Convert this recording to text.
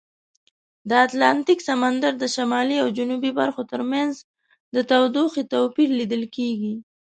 د اتلانتیک سمندر د شمالي او جنوبي برخو ترمنځ د تودوخې توپیر لیدل کیږي.